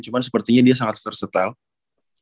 cuma sepertinya dia sangat versatile